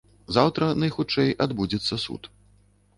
Заўтра, найхутчэй, адбудзецца суд.